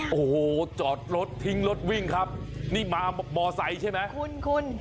โอ้โหจอดรถทิ้งรถวิ่งครับนี่มามอไซค์ใช่ไหมคุณคุณ